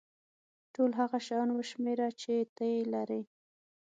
ټول هغه شیان وشمېره چې ته یې لرې.